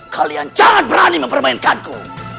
kalian jangan berani mempermainkanku